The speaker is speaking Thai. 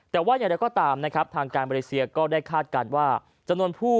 แต่ว่าอย่างก็ตามนะครับด้านการหมายเลสเซียก็ได้คลาดการณ์ว่าจะมนุ่มผู้